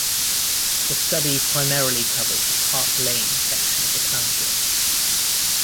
The study primarily covered the Park Layne section of the township.